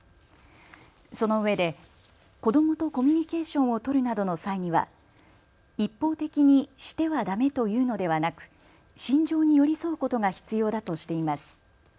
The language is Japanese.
そのうえで子どもとコミュニケーションを取るなどの際には一方的にしてはだめと言うのではなく心情に寄り添うことが必要だとしています。